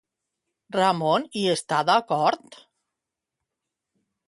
Ramon hi està d'acord?